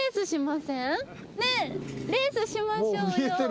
ねっレースしましょうよ。